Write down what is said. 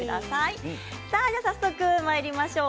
早速まいりましょう。